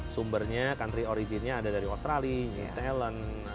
sumbernya country originnya ada dari australia new zealand